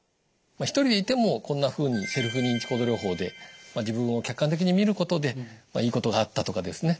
一人でいてもこんなふうにセルフ認知行動療法で自分を客観的に見ることでいいことがあったとかですね